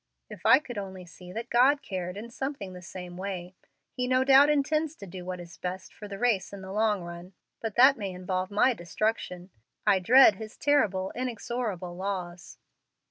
If I could only see that God cared in something the same way! He no doubt intends to do what is best for the race in the long run, but that may involve my destruction. I dread His terrible, inexorable laws."